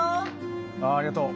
あありがとう。